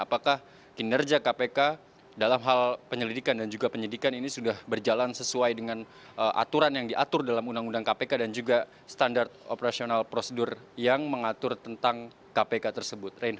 apakah kinerja kpk dalam hal penyelidikan dan juga penyidikan ini sudah berjalan sesuai dengan aturan yang diatur dalam undang undang kpk dan juga standar operasional prosedur yang mengatur tentang kpk tersebut